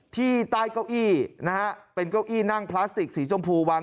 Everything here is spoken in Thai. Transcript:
ที่ใต้เก้าอี้นะฮะเป็นเก้าอี้นั่งพลาสติกสีชมพูวาง